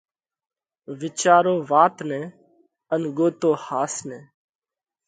وِيچارو وات نئہ ان ڳوتو ۿاس نئہ!